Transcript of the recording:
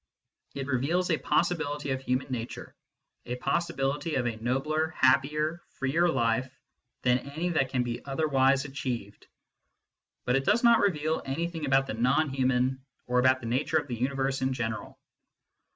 It reveals a possibility of human nature a possibility of a nobler, happier, freer life than any that can be otherwise achieved. But it does not reveal anything about the non human, or about the nature of the universe in general.